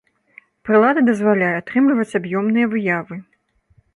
Прылада дазваляе атрымліваць аб'ёмныя выявы.